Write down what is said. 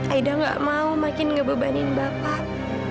aida gak mau makin ngebebanin bapak